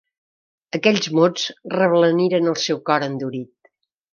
Aquells mots reblaniren el seu cor endurit.